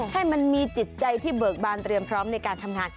ให้มันมีจิตใจที่เบิกบานเตรียมพร้อมในการทำงาน